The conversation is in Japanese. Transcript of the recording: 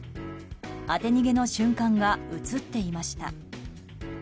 当て逃げの瞬間が映っていました。